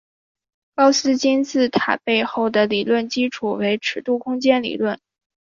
高斯金字塔背后的理论基础为尺度空间理论。